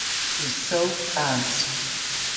He's so fast.